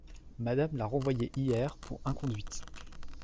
Madame l’a renvoyée hier pour inconduite.